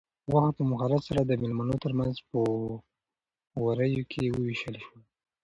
غوښه په مهارت سره د مېلمنو تر منځ په غوریو کې وویشل شوه.